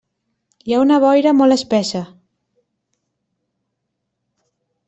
Hi ha una boira molt espessa.